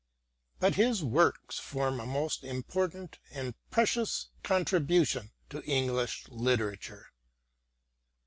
But his works form a most important and precious contribution to English literature.